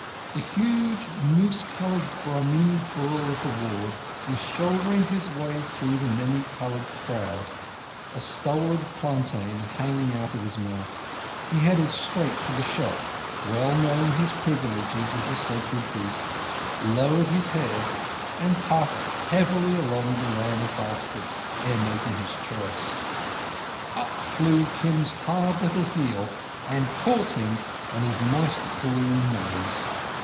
The huge, mouse coloured Brahmini bull of the ward was shouldering his way through the many coloured crowd, a stolen plantain hanging out of his mouth. He headed straight for the shop, well knowing his privileges as a sacred beast, lowered his head, and puffed heavily along the line of baskets ere making his choice. Up flew Kim's hard little heel and caught him on his moist blue nose.